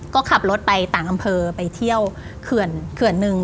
ก็ขับรถไปต่างอำเภอไปเที่ยวเขื่อนหนึ่ง